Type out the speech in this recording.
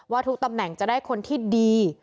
ทุกตำแหน่งจะได้คนที่ดี